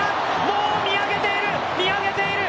もう見上げている！